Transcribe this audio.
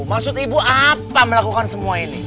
maksud ibu apa melakukan semua ini